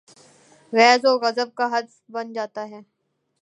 غیظ و غضب کا ہدف بن جا تا ہے۔